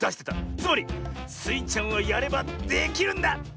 つまりスイちゃんはやればできるんだ！